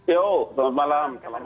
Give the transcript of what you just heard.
yo selamat malam